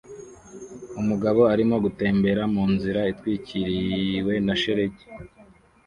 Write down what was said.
Umugabo arimo gutembera munzira itwikiriwe na shelegi